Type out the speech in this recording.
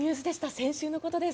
先週のことです。